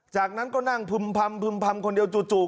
จากนั้นก็นั่งพึ่มพำคนเดียวจู่